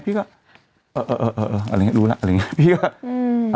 พี่ก็เออเออเออ